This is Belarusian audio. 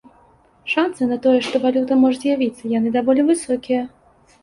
Шанцы на тое, што валюта можа з'явіцца, яны даволі высокія.